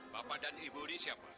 bapak dan ibu ini siapa